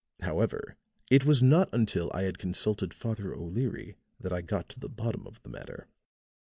However, it was not until I had consulted Father O'Leary that I got to the bottom of the matter.